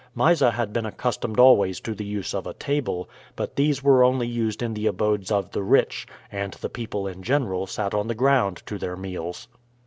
Mysa had been accustomed always to the use of a table; but these were only used in the abodes of the rich, and the people in general sat on the ground to their meals.